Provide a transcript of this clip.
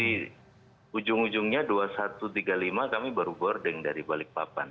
di ujung ujungnya dua puluh satu tiga puluh lima kami baru boarding dari balik papan